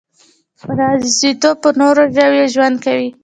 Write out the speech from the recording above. پرازیتونه په نورو ژویو ژوند کوي